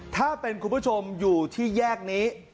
ถ้าเป็นคุณผู้ชมอยู่ที่แยกนี้